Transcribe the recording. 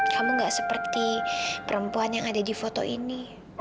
kamu gak seperti perempuan yang ada di foto ini